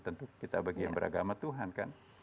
tentu kita bagi yang beragama tuhan kan